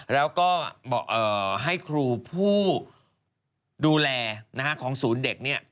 แล้วก็ให้ครูผู้ดูแลของศูนย์เด็กเนี่ย